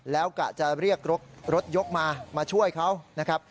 แล้วกะจะเรียกรถยกมามาช่วยเขานะครับ